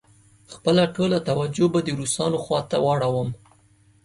خپله ټوله توجه به د روسانو خواته واړوم.